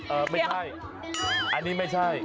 เออไม่ใช่อันนี้ไม่ใช่เดี๋ยว